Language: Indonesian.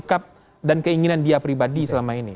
berseberangan dengan sikap dan keinginan dia pribadi selama ini